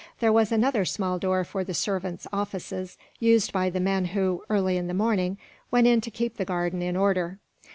There was another small door for the servants' offices, used by the men who, early in the morning, went in to keep the garden in order.